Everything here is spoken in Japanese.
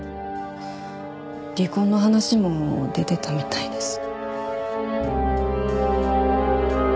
離婚の話も出ていたみたいです。